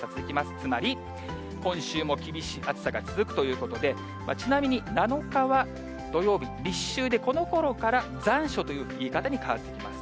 つまり今週も厳しい暑さが続くということで、ちなみに、７日は土曜日、立秋で、このころから残暑という言い方に変わってきます。